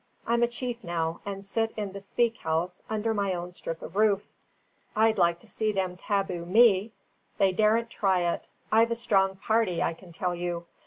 I'm a chief now, and sit in the speak house under my own strip of roof. I'd like to see them taboo ME! They daren't try it; I've a strong party, I can tell you.